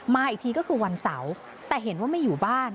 อีกทีก็คือวันเสาร์แต่เห็นว่าไม่อยู่บ้าน